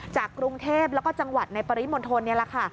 จากกรุงเทพแล้วก็จังหวัดในปริมณฑลนี่แหละค่ะ